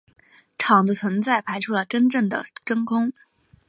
场的存在排除了真正的真空。